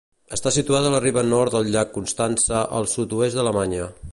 Està situada a la riba nord del llac Constança, al sud-oest d'Alemanya.